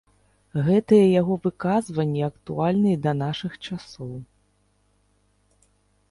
Гэтыя яго выказванні актуальны і да нашых часоў.